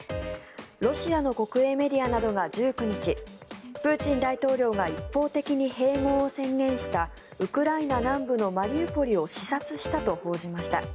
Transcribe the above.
ロシアの国営メディアなどが１９日プーチン大統領が一方的に併合を宣言したウクライナ南部のマリウポリを視察したと報じました。